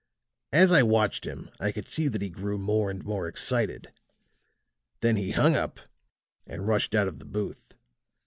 As I watched him I could see that he grew more and more excited; then he hung up, and rushed out of the booth.